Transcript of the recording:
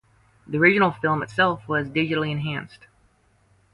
The original film itself was digitally enhanced.